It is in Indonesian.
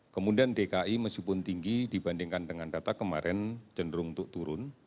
kemudian dki meskipun tinggi dibandingkan dengan data kemarin cenderung untuk turun